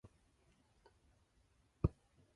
No first prize was awarded that year.